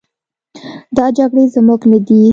دا جګړې زموږ نه دي.